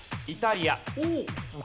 イタリア。